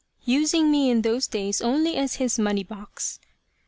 using me in those days only as his money box.